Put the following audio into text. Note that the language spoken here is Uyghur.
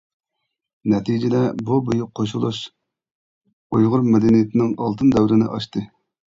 نەتىجىدە بۇ بۈيۈك قوشۇلۇش ئۇيغۇر مەدەنىيىتىنىڭ ئالتۇن دەۋرىنى ئاچتى.